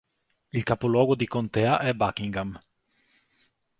Il capoluogo di contea è Buckingham.